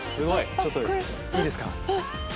ちょっといいですか。